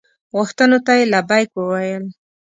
غوښتنو ته یې لبیک وویل.